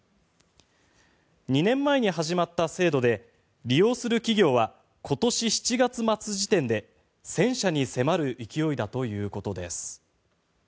２年前に始まった制度で利用する企業は今年７月末時点で１０００社に迫る勢いだということです。